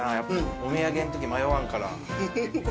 お土産んとき迷わんから。